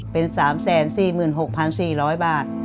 เป็น๓๔๖๔๐๐บาท